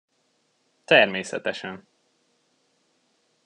Természetesen!